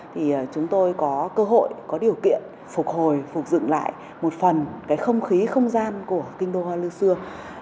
thì chúng tôi có cơ hội có điều kiện phục hồi phục dựng lại một phần cái không khí không gian của kinh đô hoa lư xưa